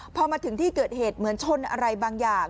พอมาถึงที่เกิดเหตุเหมือนชนอะไรบางอย่าง